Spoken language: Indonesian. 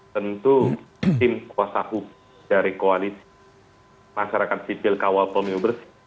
tentu tim kuasa hukum dari koalisi masyarakat sipil kawal pemilu bersih